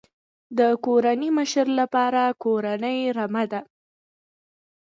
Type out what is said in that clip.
د کورنۍ مشر لپاره کورنۍ رمه ده.